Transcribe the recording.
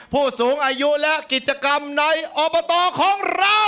ผู้สูงอายุและกิจกรรมในอบตของเรา